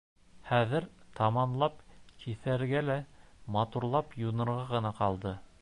Хәҙер таманлап киҫергә лә, матурлап юнырға ғына ҡалды.